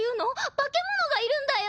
化け物がいるんだよ！